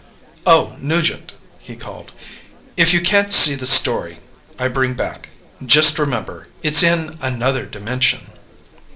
"Oh, Nugent," he called, "if you can't see the story I bring back, just remember: it's in another dimension."